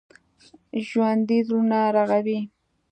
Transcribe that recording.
ژوندي زړونه رغوي